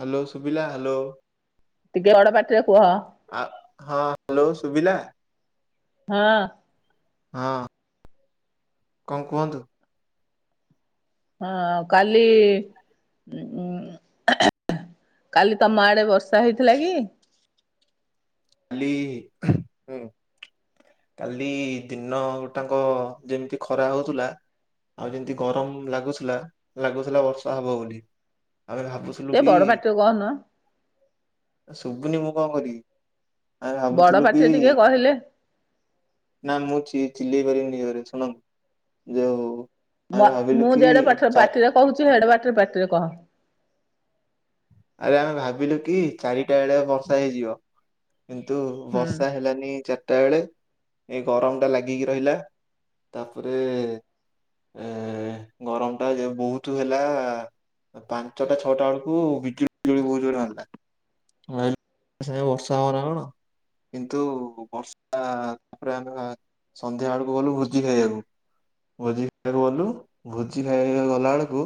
Hello ଶୁବିଲା hello. ଟିକେ ରଡ ପାଟିରେ କୁହ। ଆ ହଁ ହ୍ୟାଲୋ ସୁବିଲା। ହଁ। ହଁ। କଣ କୁହନ୍ତୁ? ହଁ କାଲି ଉଁ [unintelligible] କାଲି ତମ ଆଡ଼େ ବର୍ଷା ହେଇଥିଲା କି? କାଲି ହୁଁ କାଲି ଦିନ ଗୋଟାଙ୍କ ଯେମିତି ଖରା ହଉଥିଲା ଆଉ ଯେମିତି ଗରମ ଲାଗୁଥିଲା ଲାଗୁଥିଲା ବର୍ଷା ହବ ବୋଲି ଆମେ ଭାବୁ ଟିକେ ଲୁକି ବଡ ପାଟିରେ କହନ ଶୁଭୁନି ମୁଁ କଣ କରିବି। ଆମେ ବଡ ଭାବୁଥିଲୁ କି ପାଟିରେ ଟିକେ କହିଲେ ନା ମୁଁ ଚି-ଚିଲେଇ ପାରିବିନି ଏ ଘରେ ଶୁଣ ଯୋଉ ଆମେ ମତ ଭାବିଲୁ ମୁଁ କି ଯେଡେ ପାଠରେ ଚା- ପାଟିରେ କହୁଛି ହେଡ ପାଟିରେ ପାଟିରେ କହ ଆରେ ଆମେ ଭାବିଲୁ କି ଚାରିଟା ବେଳେ ବର୍ଷା ହେଇଯିବ କିନ୍ତୁ ହୁଁ। ବର୍ଷା ହେଲାନି ଚାରିଟା ବେଳେ ଏ ଗରମଟା ଲାଗିକି ରହିଲା ତାପରେ ଏ ଗରମ ଟା ଯେ ବହୁତ ହେଲା ପାଞ୍ଚଟା ଛଅଟା ବେଳକୁ ବିଜୁଳି ବିଜୁଳି ବହୁତ ଜୋରେ ମାରିଲା ଆ ସେ ବର୍ଷା ହବ ନା କଣ କିନ୍ତୁ ବର୍ଷା ତାପରେ ଆମ ସନ୍ଧ୍ୟା ବେଳକୁ ଗଲୁ ଭୋଜି ଖାଇବାକୁ ଭୋଜି ଖାଇବାକୁ ଗଲୁ ଭୋଜି ଖାଇବାକୁ ଗଲା ବେଳକୁ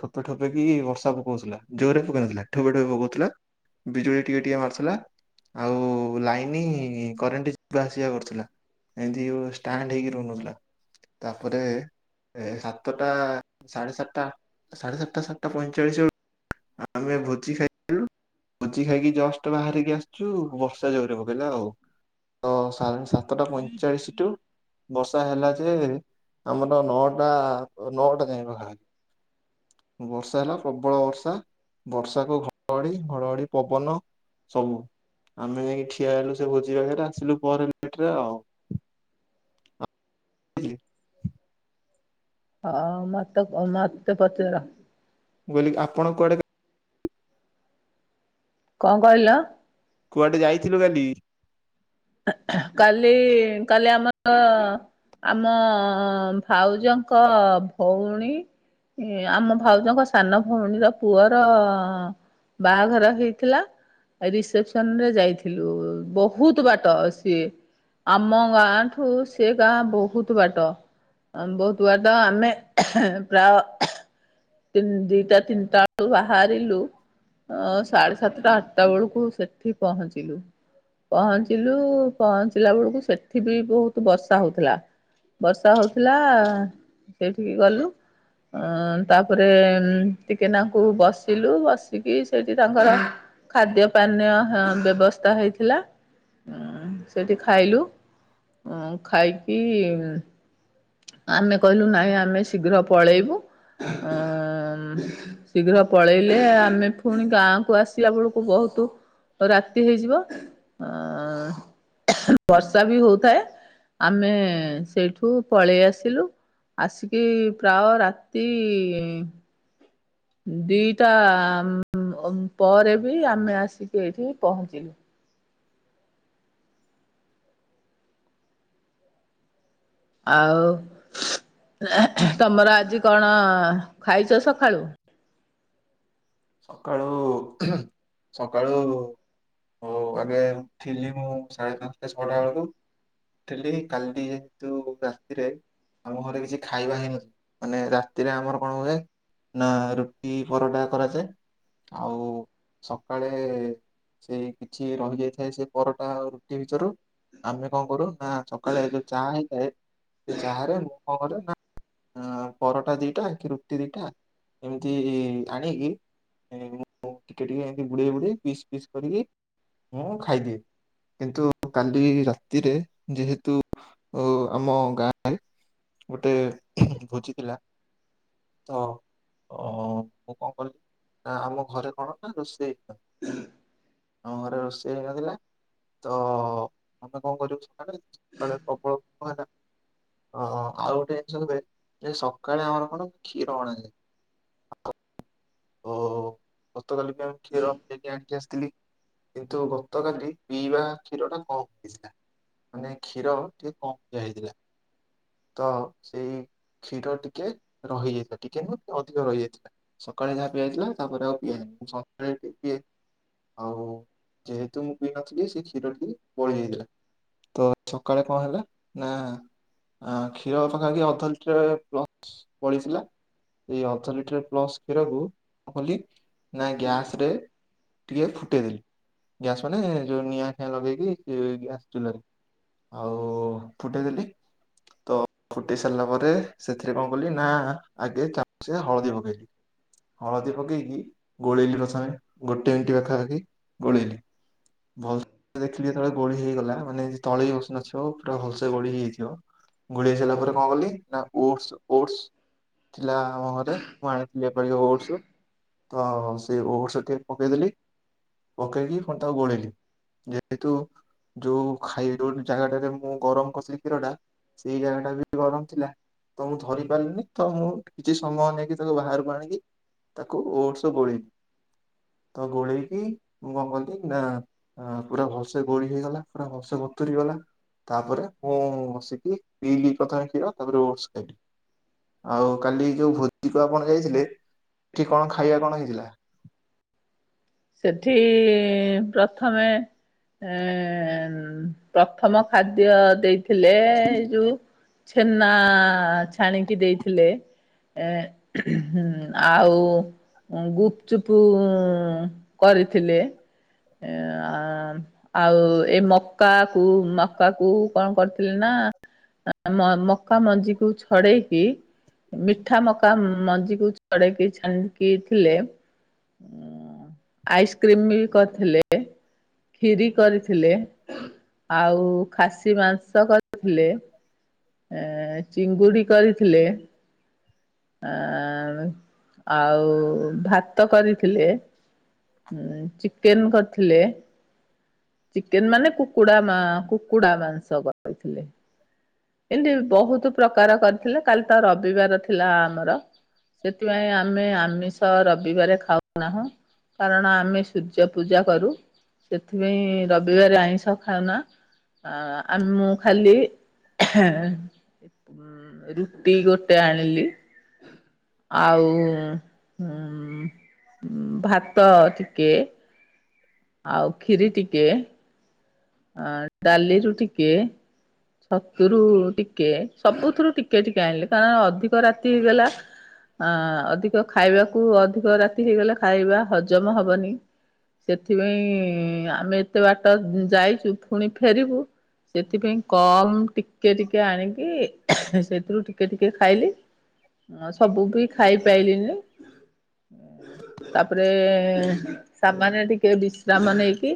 ଠୋପେ ଠୋପେ କି ବର୍ଷା ପକଉଥିଲା ଜୋରେ ପକେଇ ନଥିଲା ଠୋବେ ଠୋବେ ବଗଉଥିଲା ବିଜୁଳି ଟିକେ ଟିକେ ମାରୁଥିଲା ଆଉ ଲାଇନ କରେଣ୍ଟ ଯିବା ଆସିବା କରୁଥିଲା ଏମତି ଷ୍ଟାଣ୍ଡ ହେଇକି ରହୁନଥିଲା ତାପରେ ଏ ସାତଟା ସାଢେ ସାତଟା ସାଢେ ସାତଟା ସାତଟା ପଇଁଚାଳିଶ ବେଳକୁ ଆମେ ଭୋଜି ଖାଇଥିଲୁ ଭୋଜି ଖାଇକି ଜଷ୍ଟ ବାହାରିକି ଆସିଛୁ ବର୍ଷା ଜୋରେ ପକେଇଲା ଆଉ ତ ସାଢେ ସାତଟା ପଇଁଚାଳିଶ ଟୁ ବର୍ଷା ହେଲା ଯେ ଆମର ନଅଟା ନଅଟା ଯାଏ ପାଖା ବର୍ଷା ହେଲା ପ୍ରବଳ ବର୍ଷା ବର୍ଷା ତାକୁ ଘଡ ଘଡି ଘଡଘଡି ପବନ ସବୁ ଆମେ ଯାଇକି ଠିଆ ହେଲୁ ସେ ଭୋଜି ପାଖରେ ଆସିଲୁ ପରେ ଲେଟରେ ଆଉ ହ [unintelligible] ହଁ ମତେ କ ମତେ ପଚାର ବଲି କହିଲି ଆପଣ କୁଆଡେ କଣ କହିଲ କୁଆଡେ ଯାଇଥିଲୁ କାଲି କାଲି କାଲି ଆମର ଆମ ଭାଉଜଙ୍କ ଭଉଣୀ ଏ ଆମ ଭାଉଜଙ୍କ ସାନ ଭଉଣୀର ପୁଅର ବାହାଘର ହେଇଥିଲା ରିସେପସନରେ ଯାଇଥିଲୁ ବହୁତ ବାଟ ବାଟ ସିଏ ଆମ ଗାଁ ଠୁ ସେ ଗାଁ ବହୁତ ବାଟ ବହୁତ ବାଟ ଆମେ ପ୍ରାୟ ତିନ ଦିଟା ତିନିଟା ବେଳୁ ବାହାରିଲୁ ଅ ସାଢେ ସାତଟା ଆଠଟା ବେଳକୁ ସେଠି ପହଞ୍ଚିଲୁ ପହଞ୍ଚିଲୁ ପହଞ୍ଚିଲା ବେଳକୁ ସେଠି ବି ବହୁତ ବର୍ଷା ହଉଥିଲା। ବର୍ଷା ହଉଥିଲା ସେଇଠିକି ଗଲୁ ଅ ତାପରେ ଟିକେନାଙ୍କୁ ବସିଲୁ ବସିକି ସେଠି ତାଙ୍କର ଖାଦ୍ୟ ପାନୀୟ ବ୍ୟବସ୍ଥା ହୋଇଥିଲା ହଁ ସେଠି ଖାଇଲୁ ଖାଇକି ଆମେ କହିଲୁ ନଇଁ ଆମେ ଶୀଘ୍ର ପଳେଇବୁ ଉ ଶୀଘ୍ର ପଳେଇଲେ ଆମେ ପୁଣି ଗାଁକୁ ଆସିଲା ବେଳକୁ ବହୁତୁ ରାତି ହେଇଯିବ ଆଁ ବର୍ଷା ବି ହଉଥାଏ ଆମେ ସେଇଠୁ ପଳେଇ ଆସିଲୁ ଆସିକି ପ୍ରାୟ ରାତି ଦିଇଟା ପରେ ବି ଆମେ ଆସିକି ଏଇଠି ପହଞ୍ଚିଲୁ ଆଉ ତମର ଆଜି କଣ ଖାଇଛ ସକାଳୁ? ସକାଳୁ ଉ ହୁଁ ସକାଳୁ ଉ ଆଗେ ଉଠିଲି ମୁଁ ସାଢ଼େ ପାଞ୍ଚ ଛଅଟା ବେଳକୁ ଉଠିଲି କାଲି ଯେହେତୁ ରାତିରେ ଆମ ଘରେ କିଛି ଖାଇବା ହେଇ ନଥିଲା ମାନେ ରାତିରେ ଆମର କଣ ହୁଏ ନା ରୁଟି ପରଟା କରାଯାଏ ଆଉ ସକାଳେ ସେଇ କିଛି ରହିଯାଇଥାଏ ସେ ପରଟା ଆଉ ରୁଟି ଭିତରୁ ଆମେ କଣ କରୁ ନା ସକାଳେ ଯୋଉ ଚାହା ହେଇଥାଏ ସେ ଚାହା ରେ ମୁଁ କଣ କରେ ନା ଆଁ ପରଟା ଦିଟା କି ରୁଟି ଦିଟା ଏମିତି ଆଣିକି ମୁଁ ଟିକେ ଟିକେ ଏମିତି ବୁଡେଇ ବୁଡେଇ ପିସ୍ ପିସ୍ କରିକି ମୁଁ ଖାଇଦିଏ କିନ୍ତୁ କାଲି ରାତିରେ ଯେହେତୁ ଉ ଆମ ଗାଁରେ ଗୋଟେ ଭୋଜିଥିଲା ତ ଅ ମୁଁ କଣ କଲିି ନା ଆମ ଘରେ କଣ ନା ରୋଷେଇ ଆମ ଘରେ ରୋଷେଇ ହେଇନଥିଲା ତ ଆମେ କଣ କରିବୁ ସକାଳେ ସକାଳେ ପ୍ରବଳ ଭୋକ ହେଲା ଅଁ ଆଉ ଗୋଟେ ଜିନିଷ ହୁଏ ଯେ ସକାଳେ ଆମର କଣ କ୍ଷୀର ଅଣାଯାଏ। ଓ ଗତକାଲି ପାଇଁ କ୍ଷୀର ଯାଇକି ଆଣିକି ଆସିଥିଲି କିନ୍ତୁ ଗତକାଲି ପିଇବା କ୍ଷୀର ଟା କମ ହେଇଥିଲା ମାନେ କ୍ଷୀର ଟିକେ କମ ପିଆ ହେଇଥିଲା ତ ସେଇ କ୍ଷୀର ଟିକେ ରହିଯାଇଥିଲା ଟିକେ ନୁହଁ ଅଧିକ ରହିଯାଇଥିଲା। ସକାଳେ ଯାହା ପିଆହେଇଥିଲା ତାପରେ ଆଉ ପିଆ ହେଉନି ସନ୍ଧ୍ୟା ବେଳେ ଟିକିଏ ଆଉ ଯେହେତୁ ମୁଁ ପିଇ ନଥିଲି ସେ କ୍ଷୀର ଟି ବଳିଯାଇଥିଲା। ତ ସକାଳେ କଣ ହେଲା ନା ଆଁ କ୍ଷୀର ପାଖା ପାଖି ଅଧ ଲିଟରେ ପ୍ଲସ ବଳିଥିଲା। ଏଇ ଅଧ ଲିଟରେ ପ୍ଲସ କ୍ଷୀରକୁ ମୁଁ କଣ କଲି ନା ଗ୍ୟାସ ରେ ଟିକେ ଫୁଟେଇଦେଲି ଗ୍ୟାସ୍ ମାନେ ଯୋଉ ନିଆଁ ଫିଆଁ ଲଗେଇକି ଗ୍ୟାସ୍ ଚୁଲାରେ ଆଉ ଫୁଟେଇଦେଲି ତ ଫୁଟେଇ ସାରିଲା ପରେ ସେଥିରେ କଣ କଲି ନା ଆଗେ ଚାମଚେ ହଳଦୀ ପକେଇଲି ହଳଦୀ ପକେଇକି ଗୋଳେଇଲି ପ୍ରଥମେ ଗୋଟେ ମିନିଟ ପାଖା ପାଖି ଗୋଳେଇଲି ଭଲସେ ଦେଖିଲି ଯେବେଳେ ଗୋଳି ହେଇଗଲା ମାନେ ତଳେ ବସିନଥିବ ପୁରା ଭଲସେ ଗୋଳି ହେଇଯାଇଥିବ ଗୋଳେଇ ସାରିଲା ପରେ କଣ କଲି ନା ଓଟସ ଓଟସ ଥିଲା ଆମ ଘରେ ମୁଁ ଆଣିଥିଲି ଏପାଳିକ ଓଟସ ତ ସେ ଓଟସ ଟିକେ ପକେଇଦେଲି ପକେଇକି ପଣି ତାକୁ ଗୋଳେଇଲି ଯେହେତୁ ଯୋଉ ଖାଇ ଯାଉ ଜାଗାଟରେ ମୁଁ ଗରମ କରିଥିଲି କ୍ଷୀର ଟା ସେଇ ଜାଗା ଟା ବି ଗରମ ଥିଲା ତ ମୁଁ ଧରି ପାରିଲିନି ତ ମୁଁ କିଛି ସମୟ ନେଇକି ତାକୁ ବାହାରକୁ ଆଣିକି ତାକୁ ଓର୍ଟସ ଗୋଳେଇ ତ ଗୋଳେଇକି ମୁଁ କଣ କଲି ନା ଆ ପୁରା ଭଲସେ ଗୋଳି ହେଇଗଲା ପୁରା ଭଲସେ ବତୁୁରୀ ଗଲା ତାପରେ ମୁଁ ବସିକି ପିଇଲି ପ୍ରଥମେ କ୍ଷୀର ତାପରେ ଓର୍ଟସ ଖାଇଲି। ଆଉ କାଲି ଯୋଉ ଭୋଦିକୁ ଆପଣ ଯାଇଥିଲେ ସେଠି କଣ ଖାଇବା କଣ ହେଇଥିଲା? ସେଠି ପ୍ରଥମେ ଏଁ ପ୍ରଥମ ଖାଦ୍ୟ ଦେଇଥିଲେ ଏ ଯୋଉ ଛେନା ଛାଣିକି ଦେଇଥିଲେ ଏଁ ଆଉ ଗୁପଚୁପୁ କରିଥିଲେ ଏଁ ଆଁ ଆଉ ଏ ମକା କୁ ମକା କୁ କଣ କରିଥିଲେ ନା ଆ ଆ ମକା ମଞ୍ଜିକୁୁ ଛଡେଇକି ମିଠା ମକା ମଞ୍ଜିକୁ ଛଡେଇକି ଛାଣିକି ଦେଇଥିଲେ ଆଇସ୍କ୍ରିମ ବି କରିଥିଲେ। ଖିରି କରିଥିଲେ ଆଉ ଖାସି ମାଂସ କରିଥିଲେ। ଏ ଚିଙ୍ଗୁଡି କରିଥିଲେ। ଆଁ ଆଉ ଭାତ୍ ଭାତ କରିଥିଲେ ଚିକେନ୍‌ କ ଥିଲେ ଚିକେନ ମାନେ କୁକୁଡା କୁକୁଡା ମାଂସ କରି ଦେଇଥିଲେ। ଏମିତି ବହୁତ ପ୍ରକାର କରିଥିଲେ କାଲି ତ ରବିବାର ଥିଲା ଆମର। ସେଥିପାଇଁ ଆମେ ଆମିଷ ରବିବାର ଖାଉନାହୁଁ। କାରଣ ଆମେ ସୂର୍ଯ୍ୟ ପୂଜା କରୁ। ସେଥିପାଇଁ ରବିବାର ଆଇଁଷ ଖାଉନା ଆମ ମୁଁ ଖାଲି ରୁଟିି ଗୋଟେ ଆଣିଲି। ଆଉ ଭାତ ଟିକେ ଆଉ ଖିୀରି ଟିକେ ଆ ଡାଲିରୁ ଟିକେ ଛତରୁ ଟିକେ ସବୁଥିରୁ ଟିକେ ଟିକେ ଆଣିଲେ। କାରଣ ଅଧିକ ରାତି ହେଇଗଲା ଅ ଅଧିକ ଖାଇବାକୁ କୁ ଅଧିକ ରାତି ହେଇଗଲା ଖାଇବା ହଜମ ହବନି ସେଥିପାଇଁ ଆମେ କେତେ ବାଟ ଯାଇଛୁ ପୁଣି ଫେରିବୁ ସେଥିପାଇଁ କମ୍ ଟିକେ ଟିକେ ଆଣିକି ସେଥିରୁ ଟିକେ ଟିକେ ଖାଇଲି। ଅଁ ସବୁ ବି ଖାଇ ପାଇଲିନି। ତାପରେ ସାମନ୍ୟ ଟିକେ ବିଶ୍ରାମ ନେଇକି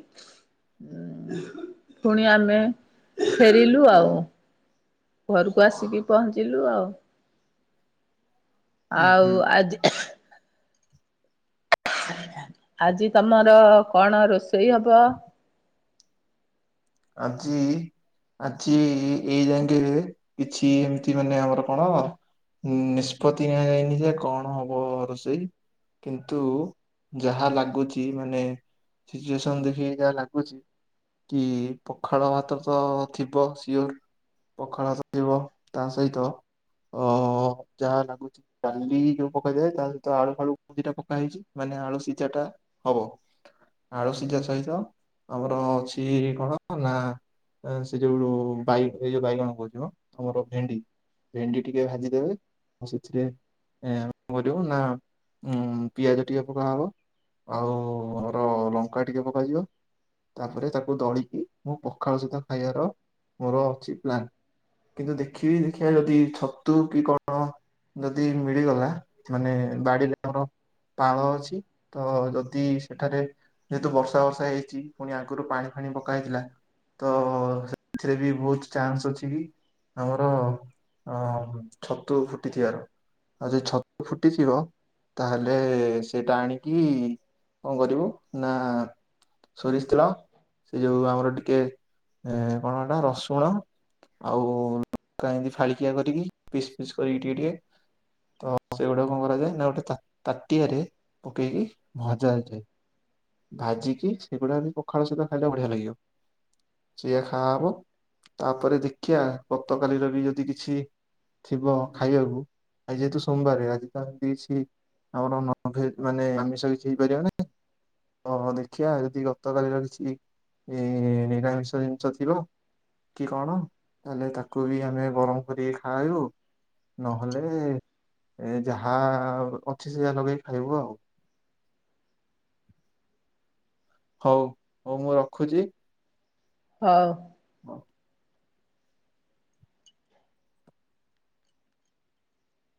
ଫୁଣି ଆମେ ଫେରିଲୁ ଆଉ। ଘରକୁ ଆସିକି ପହଞ୍ଚିଲୁ ଆଉ ହୁଁ ଆଉ ହୁଁ। ଆଜି ଆଜି ତମର କଣ ରୋଷେଇ ହବ। ଆଜି। ଆଜି ଏଇ ଯାକେଁ କିଛି ଏମିତି ମାନେ ଆମର କଣ? ନିଷ୍ପତି ନିଆଯାଇନି ଯେ କଣ ହବ ରୋଷେଇ। କିନ୍ତୁ ଯାହା ଲାଗୁଚି ମାନେ ସିଚୁଏସନ ଦେଖିକି ଯାହା ଲାଗୁଛି କି ପଖାଳ ଭାତ ତ ଥିବ ସିଓର ପଖାଳ ଚଳିବ ତା ସହିତ ଅ ଯାହା ଲାଗୁଛି। ଡାଲି ଯୋଉ ପକାଯାଏ ତା ସହିତ ଆଳୁ ଫାଳୁ ଦିଟା ପକା ହେଇଛି ମାନେ ଆଳୁ ସିଝା ଟା ହବ ଆଳୁ ସିଝା ସହିତ ଆମର ଅଛି କଣ? ହ ନା ସେ ଯୋଉ ବାଇ ଏଇ ଯୋଉ ବାଇଗଣ କହୁଛି ମ ଆମର ଭେଣ୍ଡି ଭେଣ୍ଡି ଟିକେ ଭାଜି ଦେବେ ଆଉ ସେଥିରେ ଏଁ କରିବ ନା ଉଁ ପିଆଜ ଟିକେ ପକାହବ ଆଉ ମୋର ଲଙ୍କା ଟିକେ ପକାଯିବ ତାପରେ ତାକୁ ଦଳିକି ମୁଁ ପଖାଳ ସହିତ ଖାଇବାର ମୋର ଅଛି ପ୍ଲାନ୍। କିନ୍ତୁ ଦେଖିବି ଦେଖିବା ଯଦି ଛତୁ କି କଣ ଯଦି ମିଳିଗଲା ମାନେ ବାଡିରେ ଆମର ପାଳ ଅଛି ତ ଯଦି ସେଠାରେ ଯେହେତୁ ବର୍ଷା ଫର୍ଷା ହେଇଛି ପୁଣି ଆଗରୁ ପାଣି ଫାଣି ପକା ହେଇଥିଲା ତ ସେଥିରେ ବି ବହୁତ ଚାନ୍ସ ଅଛି କି ଆମର ଅ ଛତୁ ଫୁଟିଥିବାର ଆ ସେ ଛତୁ ଫୁଟିଥିବ ତାହେଲେ ସେଇଟା ଆଣିକି କଣ କରିବୁ ନା ସୋରିଷ ତେଲ ସେ ଯୋଉ ଆମର ଟିକେ ଏ କଣଟା ରସୁଣ ଆଉ ଲା ଏତି ଫାଳିକିଆ କରିକି ପିସ୍ ପିସ୍ କରିକି ଟିକେ ଟିକେ ତ ସେଗୁଡା କଣ କରାଯାଏ ନା ଗୋଟେ ତାଟିଆରେ ପକେଇକି ଭଜାଯାଏ। ଭାଜିକି ସେଗୁଡା ପଖାଳ ସହିତ ଖାଇଲେ ବଢିଆ ଲାଗିବ। ସେଇଆ ଖାଆହବ ତାପରେ ଦେଖିବା ଗତକାଲିର ବି ଯଦି କିଛି ଥିବ ଖାଇବାକୁ ଆଜି ଯେହେତୁ ସୋମବାର ଆଜି ତତି ସ ଆମର ନଭେଜ ମାନେ ଆମିଷ ହେଇପାରିବା ନା? ହଁ ଦେଖିବା ଯଦି ଗତକାଲିର କିଛି ଏ ନିରାମିଷ ଜିନିଷ ଥିବ କି କଣ ତାହଲେ ତାକୁ ବି ଆମେ ଗରମ କରିକି ଖାଇବୁ। ନହେଲେ ଏ ଯାହା ଅଛି ସେ ଯାହା ଲଗେଇି ଖାଇବୁ ଆଉ। ହଉ ହଉ ମୁଁ ରଖୁଛି। ହଉ। ହଁ।